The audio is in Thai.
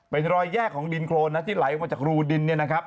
เป็นรอยแยกของดินโครนนะที่ไหลออกมาจากรูดินเนี่ยนะครับ